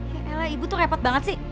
hela ibu tuh repot banget sih